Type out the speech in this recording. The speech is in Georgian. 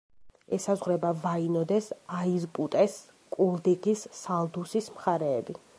ესაზღვრება ვაინოდეს, აიზპუტეს, კულდიგის, სალდუსის მხარეები.